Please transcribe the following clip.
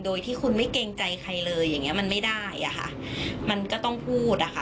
โดยที่คุณไม่เกรงใจใครเลยอย่างเงี้มันไม่ได้อ่ะค่ะมันก็ต้องพูดอะค่ะ